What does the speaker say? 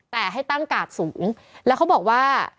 แต่ให้ตั้งกาดสูงแล้วเขาบอกว่า